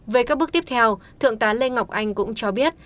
về các bước tiếp theo thượng tá lê ngọc anh cũng cho biết